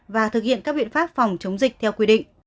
và thực hiện các biện pháp phòng chống dịch theo quy định